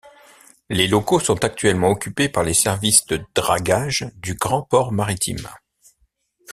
Les locaux sont actuellement occupés par les services de dragage du Grand Port Maritime.